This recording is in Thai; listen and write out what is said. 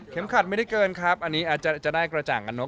ขัดไม่ได้เกินครับอันนี้อาจจะได้กระจ่างกันนก